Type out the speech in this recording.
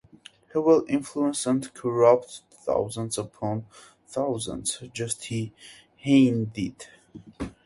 He will influence - and corrupt - thousands upon thousands, just as Heine did.